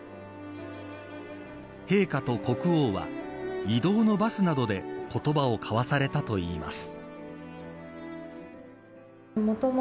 陛下と国王は移動のバスなどで言葉を交わされたといいます。